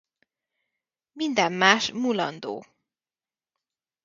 Minden más mulandó.